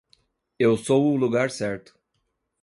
Eu sou o lugar certo.